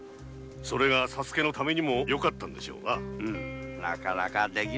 それが佐助のためにもよかったのでしょう。